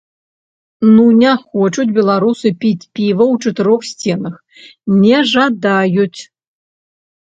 Ну не хочуць беларусы піць піва ў чатырох сценах, не жадаюць!